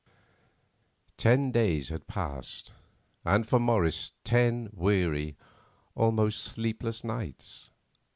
Ten days had passed, and for Morris ten weary, almost sleepless, nights.